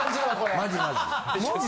マジマジ。